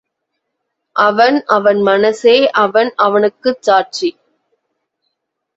அவன் அவன் மனசே அவன் அவனுக்குச் சாட்சி.